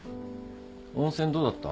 温泉どうだった？